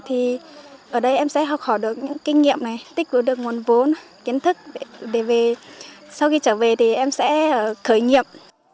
thì ở đây em sẽ học hỏi được những kinh nghiệm này tích cử được nguồn vốn kiến thức để về sau khi trở về thì em sẽ khởi nghiệp